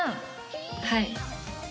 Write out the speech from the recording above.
はい。